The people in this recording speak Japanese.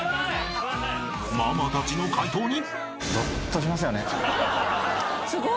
［ママたちの解答に］